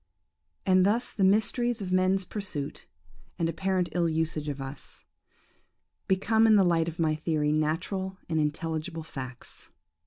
"And thus the mysteries of man's pursuit, and apparent ill usage of us, become in the light of my theory natural and intelligible facts.